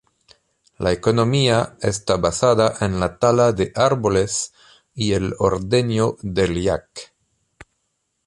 La economía está basada en la tala de árboles y el ordeño del yak.